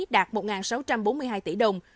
đạt một sáu trăm bốn mươi hai tỷ đồng